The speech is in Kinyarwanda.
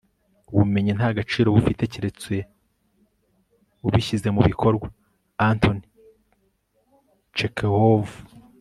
ubumenyi nta gaciro bufite keretse ubishyize mu bikorwa. - anton chekhov